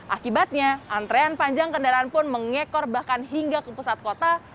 akibatnya antrean panjang kendaraan pun mengekor bahkan hingga ke pusat kota